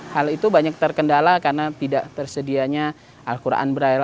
hal itu banyak terkendala karena tidak tersedianya al quran braille